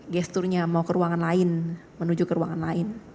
gesturnya mau ke ruangan lain menuju ke ruangan lain